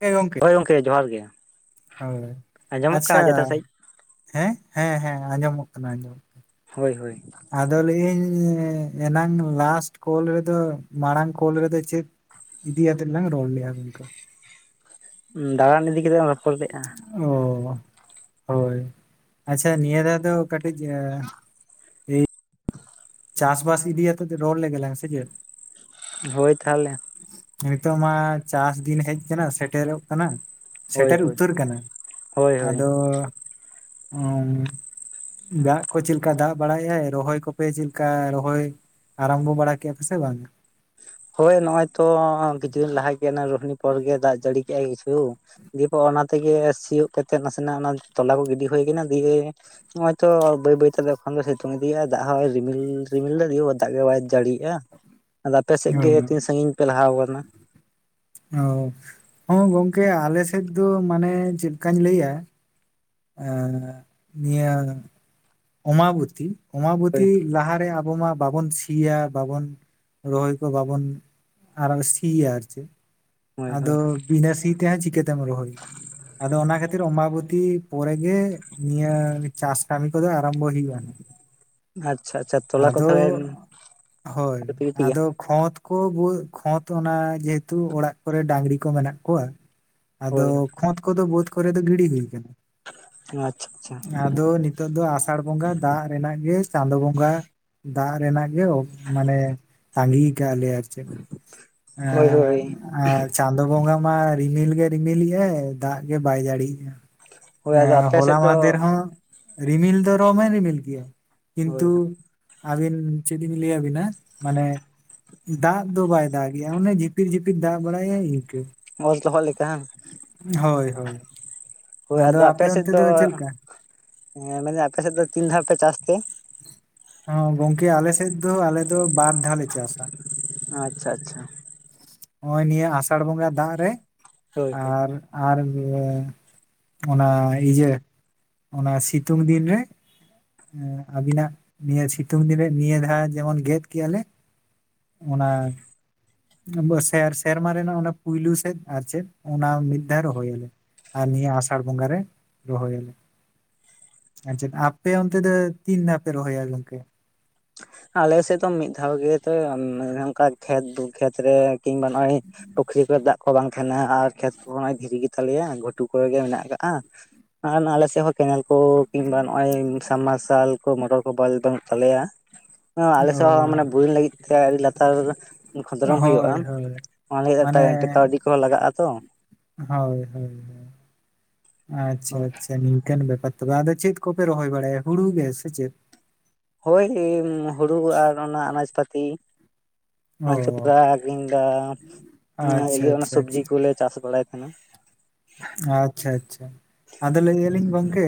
ᱦᱮᱸ ᱜᱚᱝᱠᱮ, ᱦᱳᱭ ᱡᱚᱦᱟᱨ ᱜᱮ ᱦᱳᱭ ᱟᱸᱡᱚᱢᱚᱜ ᱟᱪᱪᱷᱟ ᱠᱟᱱᱟ ᱡᱮᱴᱟ ᱥᱟᱺᱦᱤᱡ ᱦᱮᱸ? ᱦᱮᱸ ᱦᱮᱸ ᱟᱸᱡᱚᱢᱚᱜ ᱠᱟᱱᱟ ᱟᱸᱡᱚᱢᱚᱜ ᱠᱟᱱᱟ᱾ ᱦᱳᱭ ᱦᱳᱭ᱾ ᱟᱫᱚ ᱞᱟᱹᱭᱮᱜᱟᱹᱧ ᱮᱱᱟᱝ ᱞᱟᱥᱴ ᱠᱚᱞ ᱨᱮᱫᱚ ᱢᱟᱲᱟᱝ ᱠᱚᱞ ᱨᱮᱫᱚ ᱪᱮᱫ ᱤᱫᱤ ᱟᱛᱮᱫ ᱞᱟᱝ ᱨᱚᱲ ᱞᱮᱜ-ᱟ ᱜᱚᱝᱠᱮ? ᱩᱸ ᱫᱟᱲᱟᱱ ᱤᱫᱤ ᱠᱟᱛᱮᱜ ᱨᱚᱯᱚᱲ ᱞᱮᱼᱟ᱾ ᱚ ᱦᱳᱭ ᱟᱪᱪᱷᱟ ᱱᱤᱭᱟᱹ ᱫᱷᱟᱣ ᱫᱚ ᱠᱟᱹᱴᱤᱡ ᱮ ᱪᱟᱥ ᱵᱟᱥ ᱤᱫᱤᱭᱟᱛᱮᱫ ᱨᱚᱲ ᱞᱮᱜᱮ ᱞᱟᱝ ᱥᱮ ᱪᱮᱫ? ᱦᱳᱭ ᱛᱟᱦᱚᱞᱮ᱾ ᱱᱤᱛᱚᱜ ᱢᱟ ᱪᱟᱥ ᱫᱤᱱ ᱦᱮᱡ ᱠᱟᱱᱟ ᱥᱮᱴᱮᱨᱚᱜ ᱠᱟᱱᱟ᱾ ᱦᱳᱭ ᱥᱮᱴᱮᱨ ᱦᱳᱭ ᱩᱛᱟᱹᱨ ᱠᱟᱱᱟ, ᱦᱳᱭ ᱦᱳᱭ ᱟᱫᱚ ᱚᱸ ᱫᱟᱜ ᱠᱚ ᱪᱮᱫ ᱞᱮᱠᱟ ᱫᱟᱜ ᱵᱟᱲᱟᱭᱮ-ᱟᱭ ᱨᱚᱦᱚᱭ ᱠᱚᱯᱮ ᱪᱮᱫ ᱠᱟ ᱨᱚᱦᱚᱭ ᱟᱨᱟᱢᱵᱚ ᱵᱟᱲᱟ ᱠᱮᱫ ᱟᱯᱮ ᱥᱮ ᱵᱟᱝ? ᱦᱳᱭ ᱱᱚᱜᱼᱚᱭ ᱛᱚ ᱠᱤᱪᱷᱩ ᱫᱤᱱ ᱞᱟᱦᱟ ᱜᱮ ᱚᱱᱟ ᱨᱩᱦᱱᱤ ᱯᱚᱨ ᱜᱮ ᱫᱟᱜ ᱡᱟᱹᱲᱤ ᱠᱮ-ᱟᱭ ᱠᱤᱪᱷᱩ᱾ ᱫᱤᱭᱯᱚᱨ ᱚᱱᱟ ᱛᱮᱜᱮ ᱥᱤᱭᱳᱜ ᱠᱟᱛᱮᱜ ᱱᱟᱥᱮᱱᱟᱜ ᱚᱱᱟ ᱛᱚᱞᱟ ᱠᱚ ᱜᱤᱰᱤ ᱦᱳᱭ. ᱠᱟᱱᱟ ᱫᱤᱭᱮ ᱱᱚᱜ-ᱚᱭ ᱛᱚ ᱵᱟᱹᱭ ᱵᱟᱹᱭ ᱛᱮ ᱮᱠᱷᱚᱱ ᱫᱚ ᱥᱤᱛᱩᱝ ᱤᱫᱤᱭᱮᱜᱼᱟᱭ ᱫᱟᱜ ᱦᱚᱸᱭ ᱨᱤᱢᱤᱞ ᱨᱤᱢᱤᱞ ᱫᱟ ᱫᱤᱭᱮ ᱯᱚᱨ ᱫᱟᱜ ᱜᱮ ᱵᱟᱭ ᱡᱟᱹᱲᱤᱭᱮᱜᱼᱟ᱾ ᱯᱮ ᱥᱮᱫ ᱚ ᱜᱮ ᱛᱤᱱ ᱥᱟᱺᱜᱤᱧ ᱯᱮ ᱞᱟᱦᱟᱣ ᱠᱟᱱᱟ? ᱚ ᱦᱚᱸ ᱜᱚᱝᱠᱮ ᱟᱞᱮ ᱥᱮᱫ ᱫᱚ ᱢᱟᱱᱮ ᱪᱮᱫᱠᱟᱧ ᱞᱟᱹᱭᱟ ᱮᱸ ᱱᱤᱭᱟᱹ ᱚᱢᱟᱵᱚᱛᱤ ᱦᱳᱭ ᱚᱢᱟᱵᱚᱛᱤ ᱞᱟᱦᱟᱨᱮ ᱟ ᱵᱚ ᱢᱟ ᱵᱟᱵᱚᱱ ᱥᱤᱭᱟ ᱵᱟᱵᱚᱱ ᱨᱚᱦᱚᱭ ᱠᱚ ᱵᱟᱵᱚᱱ ᱟᱨᱚ ᱥᱤᱭᱟ ᱟᱨ ᱪᱮᱫ᱾ ᱦᱳᱭ ᱦᱳᱭ ᱟᱫᱚ ᱵᱤᱱᱟᱹ ᱥᱤ ᱛᱮᱦᱚᱸ ᱪᱤᱠᱟᱹᱛᱮᱢ ᱨᱚᱦᱚᱭᱟ, ᱟᱫᱚ ᱚᱱᱟ ᱠᱷᱟ ᱛᱤᱨ ᱚᱢᱟᱵᱚᱛᱤ ᱯᱚᱨᱮ ᱜᱮ ᱱᱤᱭᱟᱹ ᱪᱟᱥ ᱠᱟᱹᱢᱤ ᱠᱚᱫᱚ ᱟᱨᱟᱢᱵᱚᱭ ᱦᱩᱭᱩᱜ-ᱟ ᱱᱟᱦᱟᱜ᱾ ᱟᱪᱪᱷᱟ ᱟᱪᱪᱷᱟ ᱛᱚᱞᱟ ᱠᱚ ᱟᱫᱚ ᱛᱟᱦᱚᱞᱮ ᱦᱳᱭ ᱟᱹᱣᱨᱤ ᱯᱮ ᱜᱤᱰᱤᱭᱟ ᱟᱫᱚ ᱠᱷᱚᱛ ᱠᱚ ᱜᱩ ᱠᱷᱚᱛ ᱚᱱᱟ ᱡᱮᱦᱮᱛᱩ ᱚᱲᱟᱜ ᱠᱚᱨᱮ ᱰᱟᱝᱨᱤ ᱠᱚ ᱢᱮᱱᱟᱜ ᱠᱚᱣᱟ, ᱟᱫᱚ ᱦᱳᱭ ᱠᱷᱚᱸᱫᱽ ᱠᱚᱫᱚ ᱵᱟᱹᱫᱽ ᱠᱚᱨᱮ ᱫᱚ ᱜᱤᱰᱤ ᱦᱩᱭ ᱠᱟᱱᱟ᱾ ᱟᱪ-ᱪᱷᱟ ᱪᱷᱟ᱾ ᱫᱚ ᱱᱤᱛᱚᱜ ᱫᱚ ᱟᱥᱟᱲ ᱵᱚᱸᱜᱟ ᱫᱟᱜ ᱨᱮᱱᱟᱜ ᱜᱮ ᱪᱟᱸᱫᱳ ᱵᱚᱸᱜᱟ᱾ ᱫᱟᱜ ᱨᱮᱱᱟᱜ ᱜᱮ ᱚ ᱢᱟᱱᱮ ᱛᱟᱸᱜᱤ ᱠᱟᱜ ᱞᱮᱭᱟ᱾ ᱪᱮᱜ ᱮᱻ ᱦᱳᱭ ᱦᱳᱭ ᱟᱨ᱾ ᱪᱟᱸᱫᱳ ᱵᱚᱸᱜᱟ ᱢᱟ ᱨᱤᱢᱤᱞ ᱜᱮ ᱨᱤᱢᱤᱞᱮᱜ ᱟᱭ ᱫᱟᱜ ᱜᱮ ᱵᱟᱭ ᱡᱟᱲᱤᱭᱮᱜ-ᱟ᱾ ᱦᱳᱭ ᱟᱫᱚ ᱮᱸ ᱟᱯᱮ ᱦᱚᱞᱟ ᱥᱮᱫ ᱫᱚ ᱢᱟᱦᱫᱷᱮᱨ ᱦᱚᱸ ᱨᱤᱢᱤᱞ ᱫᱚ ᱫᱚᱢᱮ ᱨᱤᱢᱤᱞ ᱠᱮᱜ-ᱟ ᱠᱤᱱᱛᱩ᱾ ᱦᱳᱭ ᱟᱵᱤᱱ ᱪᱮᱫ ᱤᱧ ᱞᱟᱹᱭ-ᱟᱵᱤᱱᱟ ᱢᱟᱱᱮ᱾ ᱫᱟᱜ ᱫᱚ ᱵᱟᱭ ᱫᱟᱜ ᱜᱮᱜ-ᱟ ᱚᱱᱮ ᱡᱷᱤᱯᱤᱨ ᱡᱷᱤᱯᱤᱨ ᱫᱟᱜ ᱵᱟᱲᱟᱭᱮᱜ ᱟᱭ ᱤᱱᱠᱟᱹ᱾ ᱚᱞ ᱛᱚᱦᱚᱜ ᱞᱮᱠᱟ ᱦᱟᱸᱝ ᱦᱳᱭ ᱦᱳᱭ ᱦᱳᱭ ᱟᱫᱚ ᱟᱯᱮ ᱥᱮᱡ ᱫᱚ᱾ ᱦᱮᱸ ᱢᱮᱱᱫᱟᱹ ᱟᱯᱮ ᱥᱮᱫ ᱫᱚ ᱛᱤᱱ ᱫᱷᱟᱣ ᱯᱮ ᱪᱟᱥ ᱛᱮ᱾ ᱦᱚᱸ ᱜᱚᱝᱠᱮ ᱟᱞᱮ ᱥᱮᱫ ᱫᱚ ᱟᱞᱮ ᱫᱚ ᱵᱟᱨ ᱫᱷᱟᱣ ᱞᱮ ᱪᱟᱥᱟ᱾ ᱟᱪ-ᱪᱷᱟ ᱟᱪᱪᱷᱟ᱾ ᱦᱚᱸᱜ-ᱚᱭ ᱱᱤᱭᱟᱹ ᱟᱥᱟᱲ ᱵᱚᱸᱜᱟ ᱫᱟᱜ ᱨᱮ ᱦᱳᱭ ᱦᱳᱭ ᱟᱨ᱾ ᱟᱨ ᱤᱭᱟᱹ ᱚᱱᱟ ᱤᱭᱟᱹ᱾ ᱚᱱᱟ ᱥᱤᱛᱩᱝ ᱫᱤᱱ ᱨᱮ᱾ ᱦᱩᱸ ᱟᱵᱤᱱᱟᱜ ᱱᱤᱭᱟᱹ ᱥᱤᱛᱩᱝ ᱫᱤᱱ ᱨᱮ ᱱᱤᱭᱟᱹ ᱫᱷᱟᱣ ᱡᱮᱢᱚᱱ ᱜᱮᱫ ᱠᱮᱭᱟᱞᱮ᱾ ᱚᱱᱟ᱾ ᱟᱵᱚᱣᱟᱜ ᱥᱮᱨ ᱥᱮᱨᱢᱟ ᱨᱮᱱᱟᱜ ᱚᱱᱟ ᱯᱩᱭᱞᱩ ᱥᱮᱫ ᱟᱨ ᱪᱮᱫ ᱚᱱᱟ ᱢᱤᱫ ᱫᱷᱟᱣ ᱨᱮ ᱦᱳᱭᱳᱜ-ᱟ᱾ ᱟᱨ ᱱᱤᱭᱟᱹ ᱟᱥᱟᱲ ᱵᱚᱸᱜᱟ ᱨᱮ ᱨᱚᱦᱚᱭ ᱟᱞᱮ᱾ ᱟᱪᱷᱮᱫ ᱟᱯᱮ ᱚᱱᱛᱮ ᱫᱚ ᱛᱤᱱ ᱫᱷᱟᱣ ᱯᱮ ᱨᱚᱦᱚᱭᱟ ᱜᱚᱝᱠᱮ᱾ ᱟᱞᱮ ᱥᱮᱜ ᱫᱚ ᱢᱤᱫ ᱫᱷᱟᱣ ᱜᱮᱛᱚ ᱚᱱᱠᱟ ᱠᱷᱮᱫ ᱠᱷᱮᱛᱨᱮ ᱠᱤᱝ ᱵᱟ ᱱᱟᱹᱭ᱾ ᱯᱩᱠᱷᱨᱤ ᱠᱚᱨᱮ ᱫᱟᱜ ᱠᱚ ᱵᱟᱝ ᱛᱟᱦᱮᱱᱟ ᱟᱨ ᱠᱷᱮᱛ ᱠᱚ ᱦᱟᱸᱡ ᱫᱷᱤᱨᱤ ᱜᱮᱛᱟᱞᱮᱭᱟ ᱜᱷᱩᱴᱩ ᱠᱚᱨᱮ ᱜᱮ ᱢᱮᱱᱟᱜ ᱠᱟᱜ-ᱼᱟ ᱟᱨ ᱟᱞᱮ ᱥᱮᱜ ᱦᱚᱸ ᱠᱮᱱᱮᱞ ᱠᱚ ᱠᱤᱢᱵᱟ ᱱᱚᱜᱚᱭ ᱥᱟᱱᱢᱟᱨᱥᱟᱞ ᱠᱚ ᱢᱚᱴᱚᱨ ᱠᱚ [unintelligible] ᱛᱟᱞᱮᱭᱟ ᱦᱮᱸ ᱟᱞᱮ ᱥᱮᱜ ᱦᱚᱸ ᱚ ᱢᱟᱱᱮ ᱵᱩᱨᱤᱝ ᱞᱟᱜᱤᱫ ᱛᱮ ᱟᱰᱤ ᱞᱟᱛᱟᱨ᱾ ᱠᱷᱚᱸᱫᱽᱨᱚᱝ ᱦᱳᱭᱳᱜ-ᱟ ᱦᱳᱭ ᱦᱳᱭ ᱚᱱᱟ ᱞᱟᱜᱤᱜ ᱛᱮ ᱢᱟᱱᱮ ᱢᱤᱜᱴᱮᱜ ᱠᱟᱣᱰᱤ ᱠᱚᱦᱚ ᱞᱟᱜᱟᱜ-ᱟ ᱛᱚ᱾ ᱦᱳᱭ ᱦᱳᱭ ᱚ ᱟᱪᱪᱷᱟ ᱟᱪᱪᱷᱟ ᱱᱤᱝᱠᱟᱹᱱ ᱵᱮᱯᱟᱨ᱾ ᱛᱚᱵᱮ ᱟᱫᱚ ᱪᱮᱫ ᱠᱚᱯᱮ ᱨᱚᱦᱚᱭ ᱵᱟᱲᱟᱭᱟ ᱦᱩᱲᱩ ᱜᱮ ᱥᱮ ᱪᱮᱫ? ᱦᱳᱭ ᱦᱩᱲᱩ ᱜᱮ ᱟᱨ ᱚᱱᱟ ᱟᱱᱟᱡᱽ ᱯᱟᱛᱤ᱾ ᱚ ᱟᱪᱪᱷᱟ [unintelligible] ᱾ ᱦᱩᱸ ᱟᱨ ᱟᱪᱪᱷᱟ ᱤᱭᱟᱹ ᱚᱱᱟ ᱟᱪᱪᱷᱟ ᱥᱚᱽᱵᱡᱤ ᱟᱪᱪᱷᱟ ᱠᱩᱞᱮ ᱪᱟᱥ ᱵᱟᱲᱟᱭ ᱛᱟᱦᱮᱸᱱᱟ᱾ ᱟᱪ-ᱪᱷᱟ ᱟᱪᱪᱷᱟ ᱟᱫᱚ ᱞᱟᱹᱭᱮᱜ-ᱟᱞᱤᱧ ᱜᱚᱝᱠᱮ᱾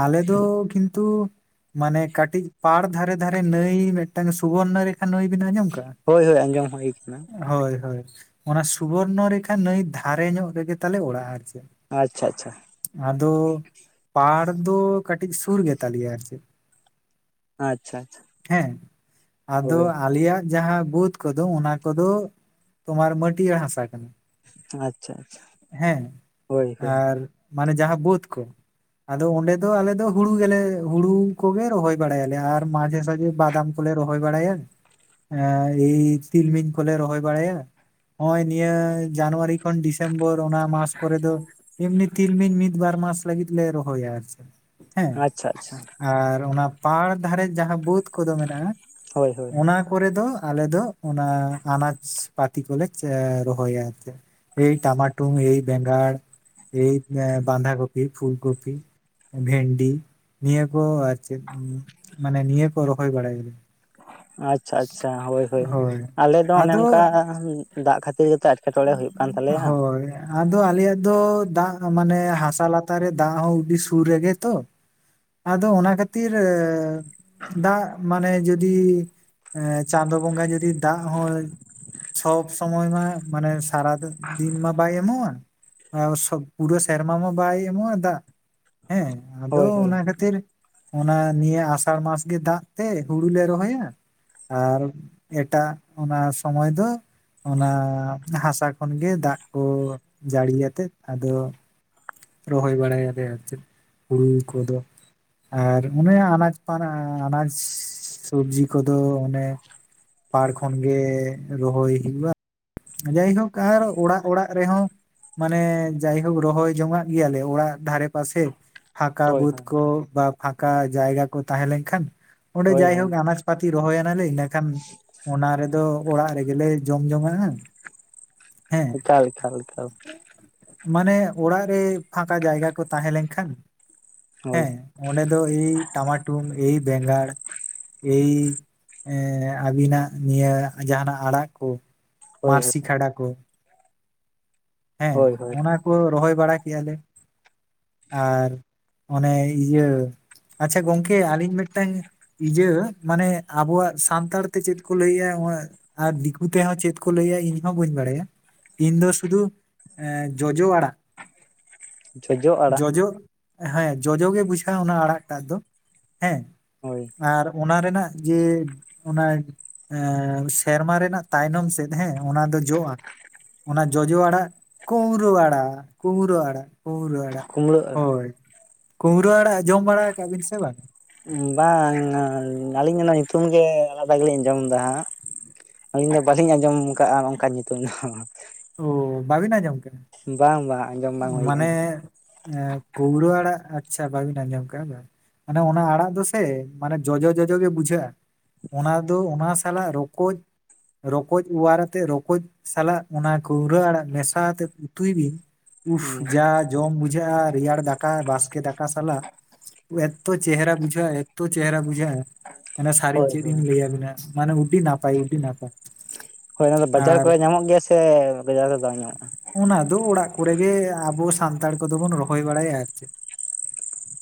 ᱟᱞᱮ ᱫᱚ ᱠᱤᱱᱛᱩ᱾ ᱢᱟᱱᱮ ᱠᱟᱴᱤᱡ ᱯᱟᱲ ᱫᱷᱟᱨᱮ ᱫᱷᱟᱨᱮ ᱱᱟᱹᱭ ᱢᱮᱜᱴᱮᱝ ᱥᱩᱵᱚᱨᱱᱚ ᱨᱮᱠᱷᱟ ᱱᱟᱹᱭ ᱵᱤᱱ ᱟᱸᱡᱚᱢ ᱠᱟᱜᱼᱟ? ᱦᱳᱭ ᱦᱳᱭ ᱟᱸᱡᱚᱢ ᱦᱳᱭ ᱠᱟᱱᱟ᱾ ᱦᱳᱭ ᱦᱳᱭ ᱚᱱᱟ ᱥᱩᱵᱚᱨᱱᱚ ᱨᱮᱠᱷᱟ ᱱᱟᱹᱭ ᱫᱷᱟᱨᱮ ᱧᱚᱜ ᱨᱮᱜᱮ ᱛᱟᱞᱮ ᱚᱲᱟᱜ ᱟᱨ ᱪᱮᱫ᱾ ᱟᱪ-ᱪᱷᱟ ᱟ᱾ᱪᱷᱟ ᱟᱫᱚ ᱯᱟᱲ ᱫᱚ ᱠᱟᱴᱤᱡ ᱥᱩᱨ ᱜᱮᱛᱟ ᱞᱮᱭᱟ ᱟᱨ ᱪᱮᱫ᱾ ᱟᱪ-ᱪᱷᱟ ᱟᱪᱷᱟ᱾ ᱦᱮᱸ ᱟᱫᱚ ᱟᱞᱮᱭᱟᱜ᱾ ᱡᱟᱸᱦᱟ ᱵᱳᱫᱽ ᱠᱚ ᱫᱚ ᱚᱱᱟ ᱠᱚ ᱫᱚ ᱛᱳᱢᱟᱨ ᱢᱟᱹᱴᱤᱭᱟ ᱦᱟᱥᱟ ᱠᱟᱱᱟ᱾ ᱟᱪ ᱪᱷᱟ ᱟᱪᱷᱟ᱾ ᱦᱮᱸ ᱟᱨ ᱢᱟᱱᱮ ᱡᱟᱸᱦᱟ ᱵᱟᱹᱫᱽ ᱠᱚ᱾ ᱟᱫᱚ ᱚᱸᱰᱮ ᱫᱚ ᱟᱞᱮ ᱫᱚ ᱦᱩᱲᱩ ᱜᱮᱞᱮ ᱦᱩᱲᱩ ᱠᱚ ᱜᱮ ᱨᱚᱦᱚᱭ ᱵᱟᱲᱟᱭᱟᱞᱮ ᱟᱨ ᱢᱟᱡᱷᱮ ᱥᱟᱡᱷᱮ ᱵᱟᱫᱟᱢ᱾ ᱮᱼ ᱨᱚᱦᱚᱭ ᱵᱟᱲᱟᱭᱟᱱ ᱮᱸ ᱤ ᱛᱤᱞᱢᱤᱧ ᱠᱚᱞᱮ ᱨᱚᱦᱚᱭ ᱵᱟᱲᱟᱭᱟ, ᱱᱚᱜᱼᱚᱭ ᱱᱤᱭᱟᱹ ᱡᱟᱱᱩᱣᱟᱨᱤᱼᱼ ᱡᱳᱠᱷᱚᱱ ᱰᱤᱥᱮᱢᱵᱚᱨ ᱚᱱᱟ ᱢᱟᱥ ᱠᱚᱨᱮ ᱫᱚ ᱮᱢᱱᱤ ᱛᱤᱞᱢᱤᱞ ᱢᱤᱫ ᱵᱟᱨ ᱢᱟᱥ ᱞᱟᱹᱜᱤᱫ ᱞᱮ ᱨᱚᱦᱚᱭᱟ ᱟᱨᱠᱤ᱾ ᱟᱪᱪᱷᱟ ᱟᱪᱪᱷᱟ᱾ ᱟᱨ ᱚᱱᱟ ᱯᱟᱲ ᱫᱷᱟᱨᱮ ᱡᱟᱦᱟᱸ ᱵᱟᱹᱫᱽ ᱠᱚ ᱫᱚ ᱢᱮᱱᱟᱜᱼᱟ ᱦᱳᱭ ᱦᱳᱭ ᱚᱱᱟᱼᱼ ᱯᱚᱨᱮ ᱫᱚ ᱟᱞᱮ ᱫᱚ ᱚᱱᱟ ᱟᱱᱟᱡᱽ ᱯᱟᱛᱤ ᱠᱚᱞᱮ ᱨᱚᱦᱚᱭᱟ ᱟᱨᱠᱤ᱾ ᱮᱻ ᱴᱟᱢᱟᱴᱩᱝ, ᱮ ᱵᱮᱸᱜᱟᱲ, ᱮ ᱵᱟᱸᱫᱷᱟ ᱠᱚᱯᱤ, ᱯᱷᱩᱞ ᱠᱚᱯᱤᱼᱼ ᱵᱷᱮᱱᱰᱤ ᱱᱤᱭᱟᱹ ᱠᱚ ᱟᱨ ᱪᱮᱫ ᱢᱟᱱᱮ ᱱᱤᱭᱟᱹ ᱠᱚ ᱨᱚᱦᱚᱭ ᱵᱟᱲᱟᱭᱮᱫᱟ᱾ ᱟᱪᱪᱷᱟ ᱟᱪᱪᱷᱟ ᱦᱳᱭ ᱦᱳᱭ ᱟᱞᱮ ᱫᱚ ᱚᱱᱮ ᱟᱫᱚ ᱚᱱᱠᱟ ᱫᱟᱜ ᱠᱷᱟᱹᱛᱤᱨ ᱜᱮ ᱠᱟᱛᱼᱼ ᱦᱳᱭ ᱟᱫᱚ ᱟᱞᱮ ᱭᱟᱜ ᱫᱚ ᱫᱟᱜ ᱢᱟᱱᱮ ᱦᱟᱥᱟ ᱞᱟᱛᱟᱨ ᱨᱮ ᱫᱟᱜ ᱦᱩᱸ ᱩᱰᱤ ᱥᱩᱨ ᱨᱮ ᱜᱮ ᱛᱚᱼᱼ ᱟᱫᱚ ᱚᱱᱟ ᱠᱷᱟᱛᱤᱨ ᱫᱟᱜ ᱢᱟᱱᱮ ᱡᱩᱫᱤᱼᱼ ᱮᱸᱻ ᱪᱟᱸᱫᱳ ᱵᱚᱸᱜᱟ ᱡᱩᱫᱤ ᱫᱟᱜ ᱦᱚᱸᱭ ᱥᱚᱵ ᱥᱚᱢᱚᱭ ᱢᱟ ᱢᱟᱱᱮᱼᱼ ᱥᱟᱨᱟ ᱫᱚ ᱫᱤᱱ ᱢᱟ ᱵᱟᱭ ᱮᱢᱳᱜᱼᱟ᱾ ᱯᱩᱨᱟᱹ ᱥᱮᱨᱢᱟ ᱢᱟ ᱵᱟᱭ ᱮᱢᱚᱜᱼᱟ ᱫᱟᱜ ᱦᱮᱸ ᱟᱫᱚ ᱦᱳᱭ ᱦᱳᱭ ᱚᱱᱟ ᱠᱷᱟᱹᱛᱤᱨᱼᱼ ᱚᱱᱟ ᱱᱤᱭᱟᱹ ᱟᱥᱟᱲ ᱢᱟᱥ ᱜᱮ, ᱫᱟᱜ ᱛᱮ ᱦᱩᱲᱩ ᱞᱮ ᱨᱚᱦᱚᱭᱟ᱾ ᱟᱨ ᱮᱴᱟᱜ ᱚᱱᱟ ᱥᱚᱢᱚᱭ ᱫᱚ ᱚᱱᱟᱼᱼ ᱦᱟᱥᱟ ᱠᱷᱚᱱ ᱜᱮ ᱫᱟᱜ ᱠᱩ ᱡᱟᱹᱲᱤ ᱭᱟᱛᱮᱜ ᱟᱫᱚᱼᱼ ᱨᱚᱦᱚᱭ ᱵᱟᱲᱟ ᱭᱟᱞᱮ ᱟᱨ ᱪᱮᱫ ᱦᱩᱲᱩ ᱠᱩᱫᱚ᱾ ᱟᱨ ᱚᱱᱮ ᱟᱱᱟᱡ ᱯᱟᱨᱟᱸ ᱟᱱᱟᱡ ᱥᱩᱵᱡᱤ ᱠᱚᱫᱚ, ᱯᱟᱦᱲ ᱠᱷᱚᱱ ᱜᱮ ᱨᱚᱦᱚᱭ ᱦᱩᱭᱩᱜᱼᱟ᱾ ᱡᱟᱭ ᱦᱳᱠ ᱟᱨ ᱚᱲᱟᱜ ᱚᱲᱟᱜ ᱨᱮ ᱦᱚᱸ, ᱢᱟᱱᱮ ᱡᱟᱭ ᱦᱳᱠ ᱨᱚᱦᱚᱭ ᱡᱚᱝᱼᱟᱜ ᱜᱮᱭᱟᱞᱮ ᱚᱲᱟᱜ ᱫᱷᱟᱨᱮ ᱯᱟᱥᱮ᱾ ᱯᱷᱟᱸᱠᱟ ᱦᱳᱭ ᱦᱳᱭ ᱵᱟᱹᱫᱽ ᱠᱚ ᱵᱟ ᱯᱷᱟᱸᱠᱟ ᱡᱟᱭᱜᱟ ᱠᱚ ᱛᱟᱦᱮᱸ ᱞᱮᱱ ᱠᱷᱟᱱ, ᱚᱸᱰᱮ ᱦᱳᱭ ᱡᱟᱭ ᱦᱳᱭ ᱦᱳᱠ ᱟᱱᱟᱪᱼᱼ ᱯᱟᱛᱤ ᱨᱚᱦᱚᱭ ᱱᱟᱞᱮ ᱤᱱᱟᱹ ᱠᱷᱟᱱ ᱚᱱᱟ ᱨᱮ ᱫᱚ ᱚᱲᱟᱜ ᱨᱮ ᱜᱮᱞᱮ ᱡᱚᱢ ᱡᱚᱝᱼᱟ ᱾ ᱮᱠᱟᱞ ᱮᱠᱟᱞ ᱮᱠᱟᱞ ᱢᱟᱱᱮ ᱚᱲᱟᱜ ᱨᱮ ᱯᱷᱟᱠᱟ ᱡᱟᱭᱜᱟ ᱠᱚ ᱛᱟᱦᱮᱸ ᱞᱮᱱ ᱠᱷᱟᱱ ᱦᱳᱭ ᱦᱮᱸᱻ ᱚᱸᱰᱮ ᱫᱚ ᱮᱤᱭ ᱴᱟᱢᱟᱴᱩᱢ ᱮᱤᱭ ᱵᱮᱸᱜᱟᱲ, ᱮᱤᱭ ᱮᱸᱻ ᱟᱵᱤᱱᱟᱜ ᱱᱤᱭᱟᱹ ᱡᱟᱦᱟᱱᱟᱜ ᱟᱲᱟᱜ ᱠᱩᱼᱼ ᱦᱳᱭ ᱦᱳᱭ ᱢᱟᱨᱥᱤ ᱠᱷᱟᱰᱟ ᱠᱚ᱾ ᱦᱮᱸ ᱦᱳᱭ ᱦᱳᱭ ᱚᱱᱟ ᱠᱚ ᱨᱚᱦᱚᱭ ᱵᱟᱲᱟ ᱠᱮᱫᱮᱜᱼᱟ ᱞᱮ ᱟᱨ ᱚᱱᱮ ᱤᱭᱟᱹ ᱟᱪᱪᱷᱟ ᱜᱚᱝᱠᱮ ᱟᱹᱞᱤᱧ ᱢᱤᱫᱴᱟᱝᱼᱼ ᱤᱭᱟᱹ ᱢᱟᱱᱮ ᱟᱵᱚᱣᱟᱜ ᱥᱟᱱᱛᱟᱲ ᱛᱮ ᱪᱮᱫ ᱠᱚ ᱞᱟᱹᱭᱮᱫᱼᱟ ᱟᱨ ᱫᱤᱠᱩ ᱛᱮᱦᱚᱸ ᱪᱮᱫᱼᱼ ᱞᱟᱹᱭᱟ ᱤᱧ ᱦᱚᱸ ᱵᱟᱹᱧ ᱵᱟᱲᱟᱭᱟ ᱤᱧ ᱫᱚ ᱥᱩᱫᱩ ᱡᱚᱡᱚ ᱟᱲᱟᱜᱼᱼ ᱡᱚᱡᱚ ᱦᱮᱸ ᱡᱚᱡᱚᱜᱮ ᱵᱩᱡᱷᱟᱹᱜᱼᱟ ᱚᱱᱟ ᱟᱲᱟᱜᱴᱟᱜ ᱫᱚ᱾ ᱦᱮᱸ ᱦᱳᱭ ᱟᱨ ᱚᱱᱟ ᱨᱮᱱᱟᱜ ᱡᱮᱼᱼ ᱚᱱᱟ ᱥᱮᱨᱢᱟ ᱨᱮᱱᱟᱜ ᱛᱟᱭᱱᱚᱢ ᱥᱮᱫ ᱦᱮᱸ ᱚᱱᱟ ᱫᱚ ᱡᱚᱜᱼᱟ ᱚᱱᱟ ᱡᱚᱡᱚ ᱟᱲᱟᱜ ᱠᱩᱝᱨᱟᱹ ᱟᱲᱟᱜ ᱠᱩᱸᱝᱨᱟᱹ ᱟᱲᱟᱜ ᱠᱩᱝᱨᱟᱹ ᱟᱲᱟᱜ ᱠᱩᱢᱲᱟᱹ ᱟᱲᱟᱜ ᱦᱳᱭ ᱠᱩᱝᱨᱟᱹ ᱟᱲᱟᱜ ᱡᱚᱢ ᱵᱟᱲᱟ ᱟᱠᱟᱟᱜ ᱵᱤᱱ ᱥᱮ ᱵᱟᱝ? ᱵᱟᱝ ᱟᱹᱞᱤᱧ ᱚᱱᱟ ᱧᱩᱛᱩᱢ ᱜᱮ ᱟᱞᱟᱫᱟ ᱜᱮᱞᱤᱧ ᱟᱸᱡᱚᱢ ᱮᱫᱟ ᱦᱟᱸᱜ᱾ ᱟᱹᱞᱤᱧ ᱫᱚ ᱵᱟᱹᱞᱤᱧ ᱟᱸᱡᱚᱢ ᱟᱠᱟᱫᱼᱟ ᱚᱱᱠᱟᱱ ᱧᱩᱛᱩᱢ ᱫᱚ᱾ ᱚ ᱵᱟᱹᱵᱤᱱ ᱟᱸᱡᱚᱢ ᱠᱟᱱᱟ ᱵᱟᱝ ᱵᱟᱝ ᱟᱸᱡᱚᱢ ᱵᱟᱝ ᱦᱩᱭ ᱟᱠᱟᱱᱟ᱾ ᱠᱳᱝᱨᱟ ᱟᱲᱟᱜ ᱟᱪᱪᱷᱟ ᱵᱟᱹᱵᱤᱱ ᱟᱸᱡᱚᱢ ᱠᱮᱫ ᱵᱟᱝ, ᱢᱟᱱᱮ ᱚᱱᱟ ᱟᱲᱟᱜ ᱫᱚᱥᱮ ᱢᱟᱱᱮ ᱡᱚᱡᱚ ᱡᱚᱡᱚ ᱜᱮ ᱵᱩᱡᱷᱟᱹᱜᱼᱟ᱾ ᱚᱱᱟ ᱫᱚ ᱚᱱᱟ ᱥᱟᱞᱟᱜ ᱨᱚᱠᱚᱡ ᱨᱚᱠᱚᱡ ᱚᱣᱟᱨ ᱟᱛᱮ ᱨᱚᱠᱚᱡ ᱥᱟᱞᱟᱜ ᱚᱱᱟ ᱠᱟᱹᱣᱨᱟᱹ ᱟᱲᱟᱜ ᱢᱮᱥᱟᱛᱮᱫ ᱩᱛᱩᱭ ᱵᱤᱱ ᱩᱥ ᱦᱩᱸ ᱡᱟ ᱡᱚᱢ ᱵᱩᱡᱷᱟᱹᱜᱼᱟ ᱨᱮᱭᱟᱲ ᱫᱟᱠᱟ ᱵᱟᱥᱠᱮ ᱫᱟᱠᱟ ᱥᱟᱞᱟᱜ ᱮᱛᱚ ᱪᱮᱦᱨᱟ ᱵᱩᱡᱷᱟᱹᱜᱼᱟ ᱛᱚ ᱪᱮᱦᱨᱟ ᱵᱩᱡᱷᱟᱹᱜᱼᱟ ᱥᱟᱹᱨᱤ ᱦᱳᱭ ᱪᱮᱫ ᱦᱳᱭ ᱤᱧ ᱞᱟᱹᱭᱭᱟᱵᱤᱱᱟ ᱢᱟᱱᱮ ᱟᱹᱰᱤ ᱱᱟᱯᱟᱭ ᱟᱹᱰᱤ ᱱᱟᱯᱟᱭ ᱦᱳᱭ ᱚᱱᱟ ᱫᱚ ᱵᱟᱡᱟᱨ ᱟᱨ ᱠᱚᱨᱮ ᱧᱟᱢᱚᱜ ᱜᱮᱭᱟ ᱥᱮ ᱵᱟᱡᱟᱨ ᱨᱮ ᱵᱟᱝ ᱧᱟᱢᱚᱜᱼᱟ ᱚᱱᱟ ᱫᱚ ᱚᱲᱟᱜ ᱠᱚᱨᱮᱜᱮ ᱟᱵᱚ ᱥᱟᱱᱛᱟᱲ ᱠᱚᱫᱚ ᱵᱚᱱ ᱨᱚᱦᱚᱭ ᱵᱟᱲᱟᱭᱟ ᱟᱨᱠᱤ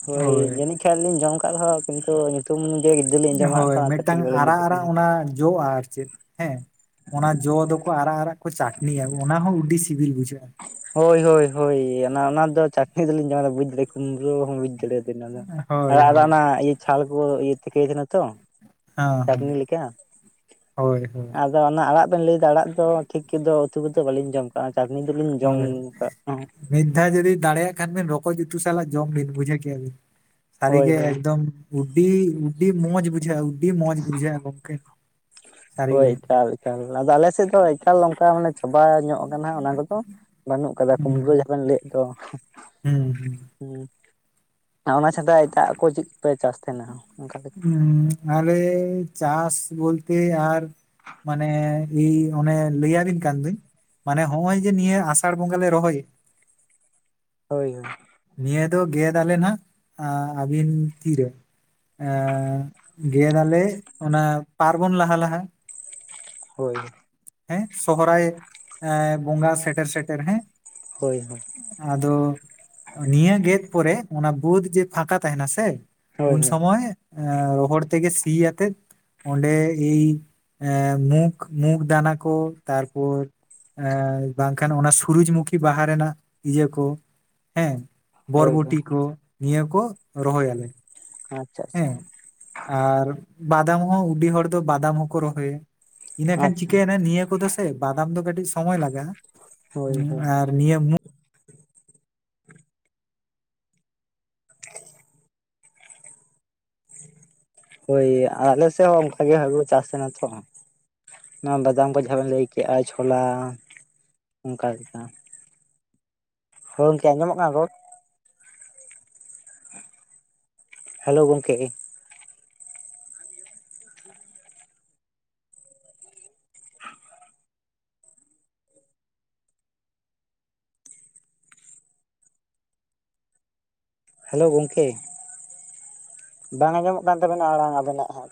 ᱦᱳᱭ ᱡᱟᱹᱱᱤᱡ ᱠᱷᱟᱱ ᱡᱚᱢ ᱟᱠᱟᱫ ᱨᱮᱦᱚᱸ ᱠᱤᱱᱛᱩ ᱧᱩᱛᱩᱢ ᱞᱤᱧ ᱟᱸᱡᱚᱢ ᱟᱠᱟᱫ ᱦᱳᱭ ᱛᱚ ᱚᱱᱟᱛᱮ ᱴᱷᱤᱠ ᱢᱤᱫᱴᱟᱝ ᱵᱟᱹᱞᱤᱧ ᱞᱟᱹᱭ ᱟᱨᱟᱜ ᱫᱟᱲᱮᱭᱟᱜ ᱟᱨᱟᱜ ᱠᱟᱱᱟ ᱚᱱᱟ ᱡᱚᱜᱼᱟ ᱟᱨ ᱪᱮᱫ ᱦᱮᱸ ᱚᱱᱟ ᱡᱚ ᱫᱚᱠᱚ ᱟᱨᱟᱜ ᱟᱨᱟᱜ ᱠᱚ ᱪᱟᱴᱱᱤᱭᱟ ᱚᱱᱟ ᱦᱚᱸ ᱟᱹᱰᱤ ᱥᱤᱵᱤᱞ ᱵᱩᱡᱷᱟᱹᱜᱼᱟ ᱦᱳᱭ ᱦᱳᱭ ᱦᱳ ᱚᱱᱟ ᱚᱱᱟ ᱫᱚ ᱪᱟᱴᱱᱤ ᱫᱚᱞᱤᱧ ᱡᱟᱢᱟ ᱵᱩᱡ ᱫᱟᱲᱮ ᱠᱩᱢᱵᱽᱲᱩ ᱦᱚᱸ ᱵᱩᱡ ᱫᱟᱲᱮᱭᱟᱫᱱᱟᱫᱚ ᱦᱳᱭ ᱟ ᱦᱳᱭ ᱚᱱᱟ ᱤᱭᱟᱹ ᱪᱷᱟᱞ ᱠᱚ ᱤᱭᱟᱹ ᱴᱷᱤᱠᱟᱹᱭ ᱛᱟᱦᱮᱱᱟ ᱛᱚ ᱦᱮᱸ ᱦᱮᱸ ᱪᱟᱹᱴᱱᱤ ᱞᱮᱠᱟ ᱦᱳᱭ ᱦᱳᱭ ᱟᱫᱚ ᱚᱱᱟ ᱟᱲᱟᱜ ᱵᱮᱱ ᱞᱟᱹᱭᱮᱫᱟ ᱟᱲᱟᱜ ᱫᱚ ᱴᱷᱤᱠ ᱛᱫᱚ ᱩᱛᱩ ᱫᱚ ᱵᱟᱞᱤᱧ ᱡᱚᱢ ᱠᱟᱜᱼᱟ ᱪᱟᱹᱴᱱᱤ ᱫᱲᱩᱵᱼᱟ ᱦᱳᱭ ᱡᱚᱢ ᱠᱟᱜ ᱦᱚᱸ ᱢᱤᱫ ᱫᱷᱟᱣ ᱡᱩᱫᱤ ᱫᱟᱲᱮᱭᱟᱜ ᱠᱷᱟᱱ ᱵᱤᱱ ᱨᱚᱠᱚᱡ ᱩᱛᱩ ᱥᱟᱞᱟᱜ ᱡᱚᱢ ᱵᱤᱱ ᱵᱩᱡᱷᱟᱹᱣᱮᱭᱟ ᱵᱤᱱ ᱥᱟᱹᱨᱤ ᱦᱳᱭ ᱜᱮᱮ ᱦᱳᱭ ᱮᱠᱫᱚᱢ ᱩᱰᱤ ᱩᱰᱤ ᱢᱚᱡᱽ ᱵᱩᱡᱷᱟᱹᱜ ᱩᱰᱤ ᱢᱚᱡᱽ ᱵᱩᱡᱷᱟᱹᱜᱼᱟ ᱜᱚᱢᱠᱮ ᱦᱳᱭ ᱮᱠᱟᱞ ᱮᱠᱟᱞ ᱟᱫᱚ ᱟᱞᱮ ᱥᱮᱫ ᱫᱚ ᱮᱠᱟᱞ ᱱᱚᱝᱠᱟ ᱪᱟᱵᱟ ᱧᱚᱜ ᱠᱟᱱᱟ ᱚᱱᱟ ᱠᱚᱫᱚ ᱵᱟᱹᱱᱩᱜ ᱟᱠᱟᱫᱟ ᱦᱩᱸ ᱠᱩᱢᱵᱽᱲᱟᱹ ᱡᱚᱵᱮᱱ ᱞᱟᱹᱭ ᱫᱚ ᱦᱩᱸ ᱦᱩᱸ ᱦᱩ ᱚᱱᱟ ᱪᱷᱟᱰᱟ ᱮᱴᱟᱜ ᱠᱚ ᱪᱮᱫ ᱠᱚᱯᱮ ᱪᱟᱥ ᱛᱟᱦᱮᱱᱟ ᱚᱱᱠᱟ ᱞᱮᱠᱟ ᱦᱩᱸ ᱟᱞᱮ ᱪᱟᱥ ᱵᱚᱞᱛᱮ ᱟᱨ ᱢᱟᱱᱮ ᱤ ᱚᱱᱮ ᱞᱟᱹᱭᱭᱟᱵᱤᱱ ᱠᱟᱱ ᱫᱚᱧ ᱢᱟᱱᱮ ᱦᱚᱜ ᱚᱚᱭ ᱡᱮ ᱱᱤᱭᱟᱹ ᱟᱥᱟᱲ ᱵᱚᱸᱜᱟ ᱞᱮ ᱨᱚᱦᱚᱭ ᱦᱳᱭ ᱦᱳᱭ ᱱᱤᱭᱟᱹ ᱫᱚ ᱜᱮᱫ ᱟᱞᱮ ᱱᱟᱱᱟᱜ ᱟᱵᱤᱱ ᱛᱤᱨᱮ ᱜᱮᱫᱟᱞᱮ ᱚᱱᱟ ᱯᱟᱨᱵᱚᱱ ᱞᱟᱦᱟ ᱞᱟᱦᱟ ᱦᱳᱭ ᱦᱮᱸ ᱥᱚᱦᱨᱟᱭ ᱮ ᱵᱚᱸᱜᱟ ᱥᱮᱴᱮᱨ ᱥᱮᱴᱮᱨ ᱦᱮᱸ ᱦᱳᱭ ᱦᱳᱭ ᱟᱫᱚ ᱱᱤᱭᱟᱹ ᱜᱮᱫ ᱯᱚᱨᱮ ᱚᱱᱟ ᱵᱟᱹᱫᱽ ᱡᱮ ᱯᱷᱟᱸᱠᱟ ᱛᱟᱦᱮᱱᱟ ᱥᱮ ᱦᱳᱭ ᱩᱱ ᱦᱳᱭ ᱥᱚᱢᱚᱭ ᱨᱚᱦᱚᱲ ᱛᱮ ᱥᱤᱭᱟᱛᱮᱜ ᱚᱸᱰᱮ ᱮ ᱢᱩᱠ ᱢᱩᱠᱷ ᱫᱟᱱᱟ ᱠᱚ ᱛᱟᱨᱯᱚᱨ ᱮ ᱵᱟᱝᱠᱷᱟᱱ ᱚᱱᱟ ᱥᱩᱨᱡᱢᱩᱠᱷᱤ ᱵᱟᱦᱟ ᱨᱮᱱᱟᱜ ᱤᱭᱟᱹ ᱠᱚ ᱦᱮᱸ ᱦᱳᱭ ᱦᱳᱭ ᱵᱚᱨᱵᱚᱴᱤ ᱠᱚ ᱱᱤᱭᱟᱹ ᱠᱚ ᱨᱚᱦᱚᱭᱟᱞᱮ ᱦᱟᱪ ᱦᱮᱸ ᱟᱨ ᱵᱟᱫᱟᱢ ᱦᱚᱸ ᱩᱩᱰᱤ ᱦᱚᱲ ᱫᱚ ᱵᱟᱫᱟᱢ ᱦᱚᱸᱠᱚ ᱨᱚᱦᱚᱭᱟ ᱤᱱᱟᱹ ᱠᱷᱟᱱ ᱟᱪᱪᱷᱟ ᱪᱤᱠᱟᱹᱭᱮᱱᱟ ᱱᱤᱭᱟᱹ ᱠᱚᱫᱚ ᱥᱮ ᱵᱟᱫᱟᱢ ᱫᱚ ᱠᱟᱹᱴᱤᱡ ᱥᱚᱢᱚᱭ ᱞᱟᱜᱟᱜᱼᱟ ᱦᱳᱭ ᱦᱩᱸ ᱦᱳᱭ ᱟᱨ ᱱᱤᱭᱟᱹ ᱢᱩ ᱦᱳᱭ ᱟᱞᱮ ᱥᱮᱜ ᱦᱚᱸ ᱚᱝᱠᱟ ᱜᱮ ᱦᱟᱹᱜᱩ ᱠᱚ ᱪᱟᱥ ᱛᱟᱦᱮᱱᱟ ᱛᱚ ᱦᱟᱸᱜ ᱚᱱᱟ ᱵᱟᱫᱟᱢ ᱠᱚ ᱡᱟᱦᱟᱸ ᱵᱮᱱ ᱞᱟᱹᱭ ᱠᱮᱜᱼᱟ ᱪᱷᱳᱞᱟ ᱚᱝᱠᱟ ᱞᱮᱠᱟ ᱦᱳᱭ ᱦᱚᱝᱠᱮ ᱟᱸᱡᱚᱢᱚᱜ ᱠᱟᱱᱟ ᱨᱚᱲ ᱦᱮᱞᱳ ᱜᱚᱝᱠᱮᱜᱼᱮ ᱦᱮᱞᱳ ᱜᱚᱝᱠᱮ ᱵᱟᱝ ᱟᱸᱡᱚᱢᱚᱜ ᱠᱟᱱ ᱛᱟᱵᱮᱱᱟ ᱟᱲᱟᱝ ᱟᱵᱮᱱᱟᱜ ᱦᱟᱸᱜ